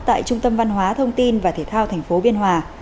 tại trung tâm văn hóa thông tin và thể thao tp biên hòa